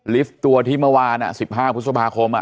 ตัวที่เมื่อวาน๑๕พฤษภาคม